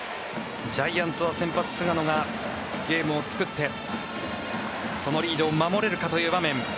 ジャイアンツは先発、菅野がゲームを作ってそのリードを守れるかという場面。